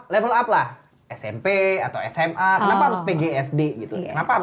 level up lah smp atau sma kenapa harus pg sd gitu